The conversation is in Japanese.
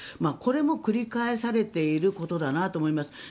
これも繰り返されていることだと思います。